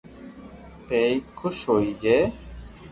پيرين خوس ھوئي جي